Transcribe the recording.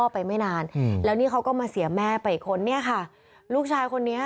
ไปไม่นานอืมแล้วนี่เขาก็มาเสียแม่ไปอีกคนเนี่ยค่ะลูกชายคนนี้